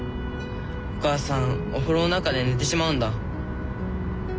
お母さんお風呂の中で寝てしまうんだ。